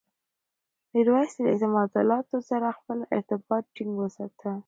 میرویس له اعتمادالدولة سره خپل ارتباط ټینګ وساته.